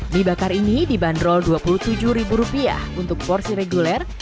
mie bakar ini dibanderol rp dua puluh tujuh untuk porsi reguler